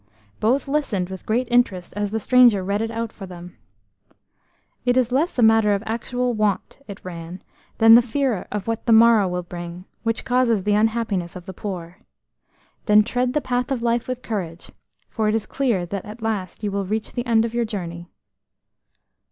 Both listened with great interest as the stranger read it out for them. "It is less a matter of actual want," it ran, "than the fear of what the morrow will bring, which causes the unhappiness of the poor. Then tread the path of life with courage, for it is clear that at last you will reach the end of your journey."